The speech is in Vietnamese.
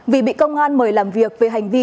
vì bị công an mời làm việc về hành vi